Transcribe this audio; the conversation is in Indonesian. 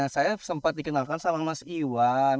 saya sempat dikenalkan sama mas iwan